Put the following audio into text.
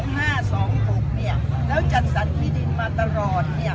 แล้วจัดรัฐมีดินมาตลอด